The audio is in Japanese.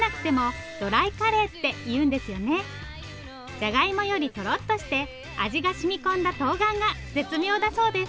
じゃがいもよりトロッとして味がしみ込んだとうがんが絶妙だそうです。